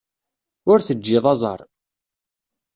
Ur teǧǧiḍ aẓar.